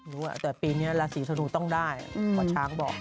แต่ปีนี้ราศีธนูต้องได้หมอช้างบอก